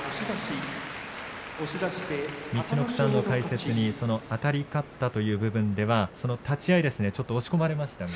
陸奥さんの解説に、あたり勝ったという部分では立ち合いですね。